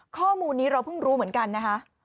ข้อมูลนี้เราเพิ่งรู้เหมือนกันนะคะ